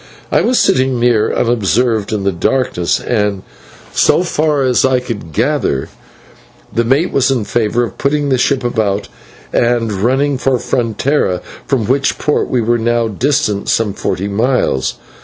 I was sitting near, unobserved in the darkness, and, so far as I could gather, the mate was in favour of putting the ship about and running for Frontera, from which port we were now distant some forty miles.